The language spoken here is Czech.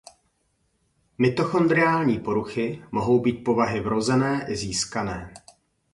Mitochondriální poruchy mohou být povahy vrozené i získané.